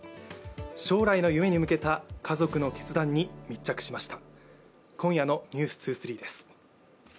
将来の夢に向けた家族の決断に密着しました。